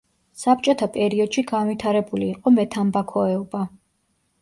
საბჭოთა პერიოდში განვითარებული იყო მეთამბაქოეობა.